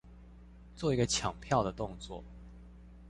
做一個搶票的動作